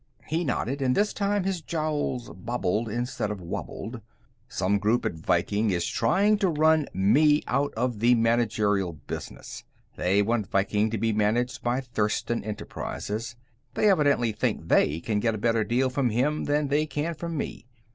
He nodded, and this time his jowls bobbled instead of wobbled. "Some group at Viking is trying to run me out of the managerial business. They want Viking to be managed by Thurston Enterprises; they evidently think they can get a better deal from him than they can from me.